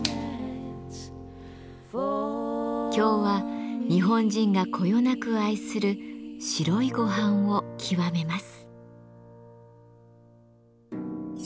今日は日本人がこよなく愛する白いごはんを極めます。